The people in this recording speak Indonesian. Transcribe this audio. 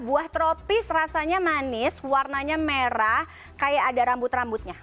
buah tropis rasanya manis warnanya merah kayak ada rambut rambutnya